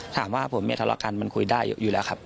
ใช่ครับ